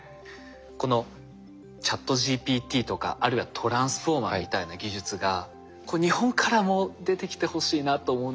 このＣｈａｔＧＰＴとかあるいはＴｒａｎｓｆｏｒｍｅｒみたいな技術が日本からも出てきてほしいなと思うんですが。